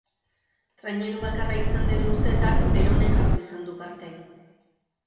Traineru bakarra izan den urteetan beronek hartu izan du parte.